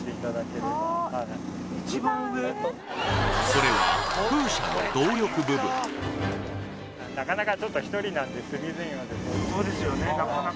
それはなかなかちょっとそうですよね